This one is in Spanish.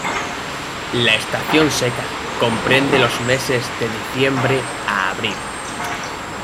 La estación seca comprende los meses de diciembre a abril.